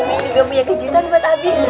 ini juga punya kejutan buat abir